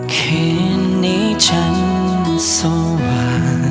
คืนนี้ฉันสว่างแต่ใจฉันมันอ้างวาง